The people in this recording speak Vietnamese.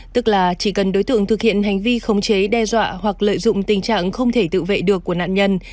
tức là chỉ cần đối tượng thực hiện hành vi khống chế đe dọa hoặc lợi dụng tình trạng không thể tự vệ được của nạn nhân